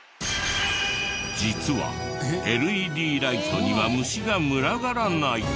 実はＬＥＤライトには虫が群がらない！